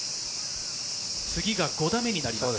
次が５打目になります。